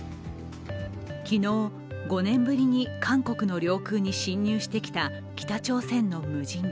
昨日、５年ぶりに韓国の領空に侵入してきた北朝鮮の無人機。